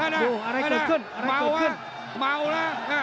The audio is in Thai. ดูอะไรกดขึ้นมัวนะมัวนะ